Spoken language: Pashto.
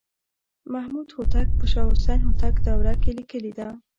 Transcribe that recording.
محمدهوتک په شاه حسین هوتک دوره کې لیکلې ده.